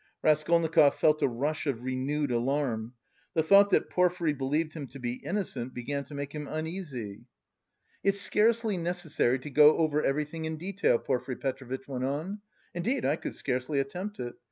Raskolnikov felt a rush of renewed alarm. The thought that Porfiry believed him to be innocent began to make him uneasy. "It's scarcely necessary to go over everything in detail," Porfiry Petrovitch went on. "Indeed, I could scarcely attempt it.